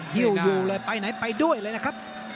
ฮิ้วอยู่เลยไปไหนไปด้วยเลยนะครับ